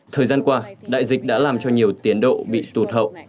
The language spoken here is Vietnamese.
thời gian qua đại dịch đã làm cho nhiều tiến độ bị tụt hậu